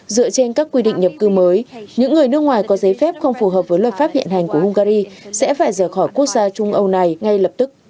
dựa trên các quy định nhập cư mới những người nước ngoài có giấy phép không phù hợp với luật pháp hiện hành của hungary sẽ phải rời khỏi quốc gia trung âu này ngay lập tức